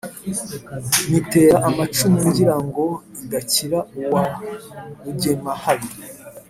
nyitera amacumu ngira ngo idakira uwa rugemahabi,